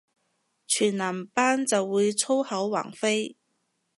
全男班就會粗口橫飛